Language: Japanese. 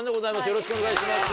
よろしくお願いします。